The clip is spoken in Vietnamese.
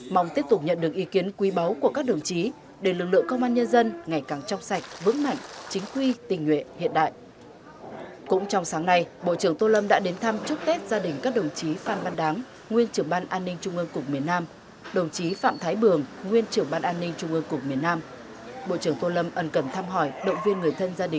mong tiếp tục nhận được ý kiến quý báu của các đồng chí để lực lượng công an nhân dân ngày càng trong sạch vững mạnh chính quy tình nguyện hiện đại